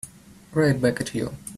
Right back at you.